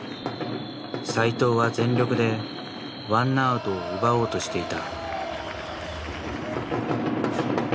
斎藤は全力でワンナウトを奪おうとしていた。